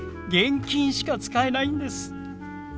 現金しか使えないんです。